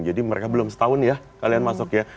jadi mereka belum setahun ya kalian masuk ya